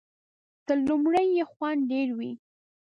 تر لومړي یې خوند ډېر وي .